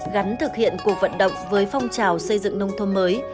gắn thực hiện cuộc vận động với phong trào xây dựng nông thôn mới